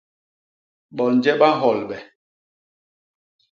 Bonje ba nholbe?